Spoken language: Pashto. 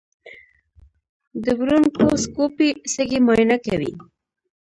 د برونکوسکوپي سږي معاینه کوي.